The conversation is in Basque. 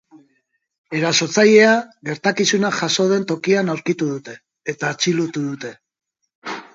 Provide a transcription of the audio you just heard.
Erasotzailea gertakizuna jazo den tokian aurkitu dute eta atxilotu dute.